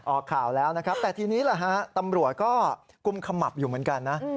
ออกข่าวแล้วนะครับแต่ทีนี้แหละฮะตำรวจก็กุมขมับอยู่เหมือนกันนะ